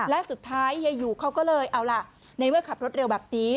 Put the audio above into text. และสุดท้ายยายอยู่เขาก็เลยเอาล่ะในเมื่อขับรถเร็วแบบนี้